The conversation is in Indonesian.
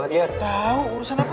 tidak ada yang ingin mencoba